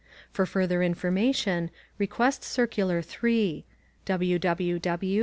For further information, request Circular 3 [http://www.